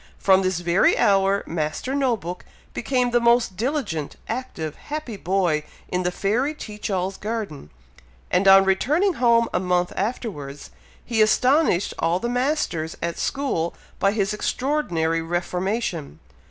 From this very hour, Master No book became the most diligent, active, happy boy in the fairy Teach all's garden; and on returning home a month afterwards, he astonished all the masters at school by his extraordinary reformation.